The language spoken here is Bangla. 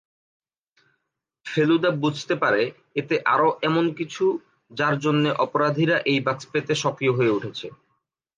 ফেলুদা বুঝতে পারে এতে আরও এমন কিছু যার জন্যে অপরাধীরা এই বাক্স পেতে সক্রিয় হয়ে উঠেছে।